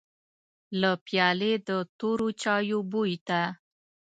له پيالې د تورو چايو بوی ته.